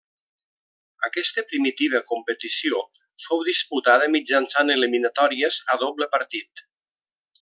Aquesta primitiva competició fou disputada mitjançant eliminatòries a doble partit.